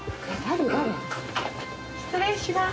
失礼します。